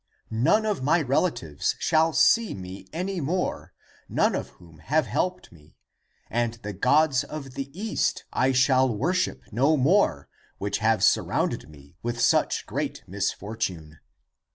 None of my relatives shall see me any more, none of whom have helped me, and the gods of the East I shall worship no more, which have surrounded me with such great misfortune.